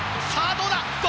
どうだ！